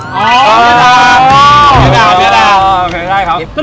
อ๋อเบียดำ